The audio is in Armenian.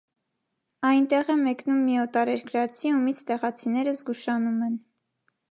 Այնտեղ է մեկնում մի օտարերկրացի, ումից տեղացիներն զգուշանում են։